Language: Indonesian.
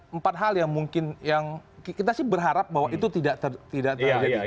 empat hal yang mungkin yang kita sih berharap bahwa itu tidak terjadi